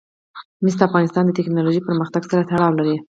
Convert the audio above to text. مس د افغانستان د تکنالوژۍ پرمختګ سره تړاو لري.